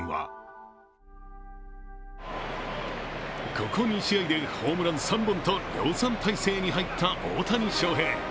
ここ２試合でホームラン３本と量産体制に入った大谷翔平。